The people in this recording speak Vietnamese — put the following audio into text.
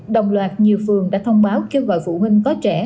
đồng loạt nhiều phường đã thông báo kêu gọi phụ huynh có trẻ